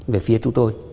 về phía chúng tôi